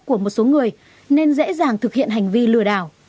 của một số người nên dễ dàng thực hiện hành vi lừa đảo